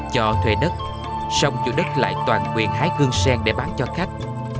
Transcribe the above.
cho thuê đất xong chủ đất lại toàn quyền hái cương sen để bán cho khách